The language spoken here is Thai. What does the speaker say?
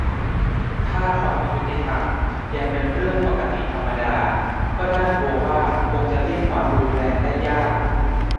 ถ้า ความอยุติธรรม ยังเป็นเรื่องปกติธรรมดา ก็น่ากลัวว่าคงจะเลี่ยง ความรุนแรง ได้ยาก